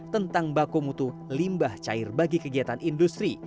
tentang baku mutu limbah cair bagi kegiatan industri